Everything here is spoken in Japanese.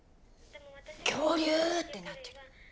恐竜！ってなってる。